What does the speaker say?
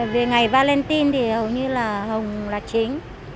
về ngày valentine thì hầu như là hồng là chính